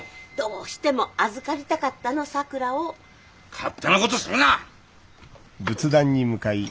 勝手なことするな！